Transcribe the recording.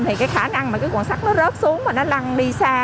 thì cái khả năng mà cái cuộn sắt nó rớt xuống và nó lăn đi xa